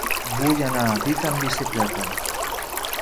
Vull anar a Vic amb bicicleta.